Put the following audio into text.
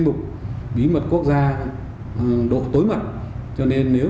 buổi chiều thi môn ngoại ngữ